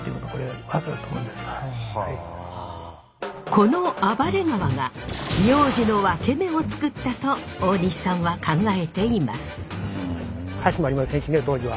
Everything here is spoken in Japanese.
この暴れ川が名字のワケメをつくったと大西さんは考えています。